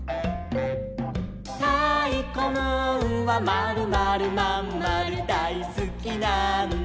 「たいこムーンはまるまるまんまるだいすきなんだ」